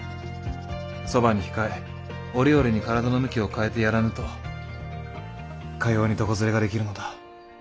そばに控え折々に体の向きを変えてやらぬとかように床ずれができるのだ。